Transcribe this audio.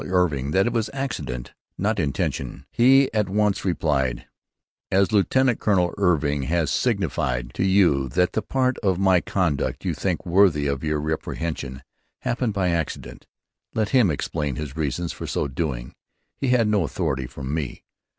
Irving that it was accident, & not Intention,' he at once replied: 'As Lieutenant Colonel Irving has signified to you that the Part of my Conduct you think worthy of your Reprehension happened by Accident let him explain his reasons for so doing. He had no authority from me.'